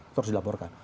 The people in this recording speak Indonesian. itu harus dilaporkan